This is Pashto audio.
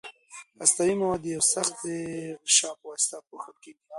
هستوي مواد د یوې سختې غشا په واسطه پوښل کیږي.